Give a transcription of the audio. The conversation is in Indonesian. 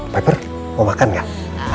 piper mau makan nggak